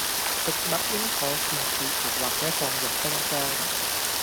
食物應妥善儲存或者放入冰箱